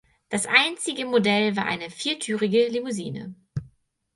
Das einzige Modell war eine viertürige Limousine.